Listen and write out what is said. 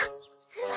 うわ！